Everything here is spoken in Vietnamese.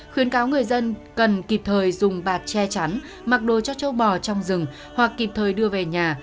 khuyến cáo người dân cần kịp thời dùng bạt che chắn mặc đồ cho châu bò trong rừng hoặc kịp thời đưa về nhà